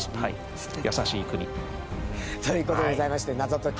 優しい国。という事でございまして『謎解き！